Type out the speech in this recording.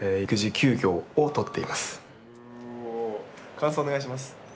感想お願いします。